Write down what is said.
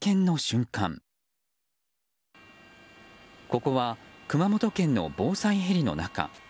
ここは熊本県の防災ヘリの中。